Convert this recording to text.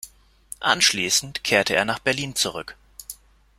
Anschließend kehrte er nach Berlin zurück.